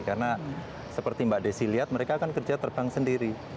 karena seperti mbak desi lihat mereka akan kerja terbang sendiri